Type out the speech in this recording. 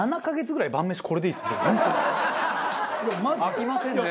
飽きませんね。